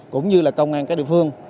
cũng như là công an các địa phương